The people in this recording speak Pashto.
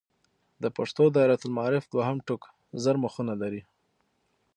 د پښتو دایرة المعارف دوهم ټوک زر مخونه لري.